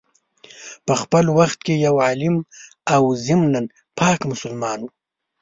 په خپل وخت کي یو عالم او ضمناً پاک مسلمان وو.